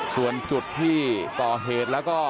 ส่วนจุดที่ก่อเหตุแล้วก็